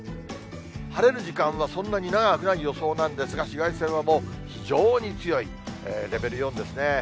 晴れる時間はそんなに長くない予想なんですが、紫外線はもう非常に強い、レベル４ですね。